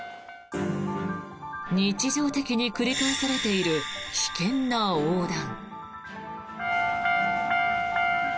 日常的に繰り返されている危険な横断。